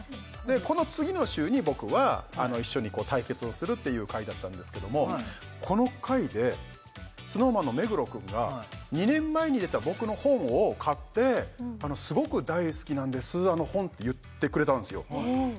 この次の週に僕は一緒に対決をするっていう回だったんですけどもこの回でＳｎｏｗＭａｎの目黒君が２年前に出た僕の本を買って「すごく大好きなんですあの本」って言ってくれたんですよ